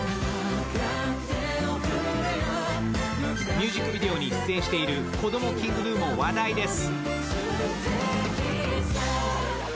ミュージックビデオに出演している子どもＫｉｎｇＧｎｕも話題です。